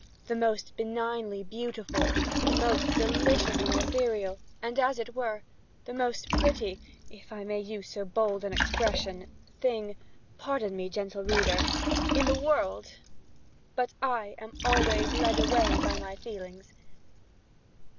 the most benignly beautiful, the most deliciously ethereal, and, as it were, the most pretty (if I may use so bold an expression) thing (pardon me, gentle reader!) in the world—but I am always led away by my feelings.